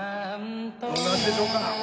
どんな味でしょうか？